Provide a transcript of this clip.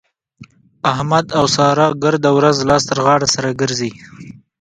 احمد او سارا ګرده ورځ لاس تر غاړه سره ګرځي.